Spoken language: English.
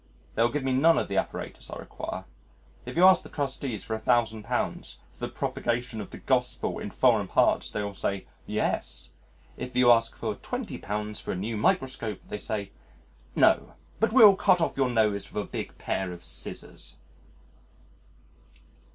They will give me none of the apparatus I require. If you ask the Trustees for a thousand pounds for the propagation of the Gospel in foreign parts they say, "Yes." If you ask for twenty pounds for a new microscope they say, "No, but we'll cut off your nose with a big pair of scissors."